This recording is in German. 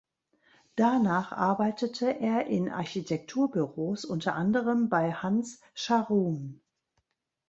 Danach arbeitete er in Architekturbüros, unter anderem bei Hans Scharoun.